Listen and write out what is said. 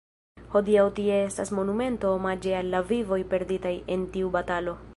Hodiaŭ tie estas monumento omaĝe al la vivoj perditaj en tiu batalo.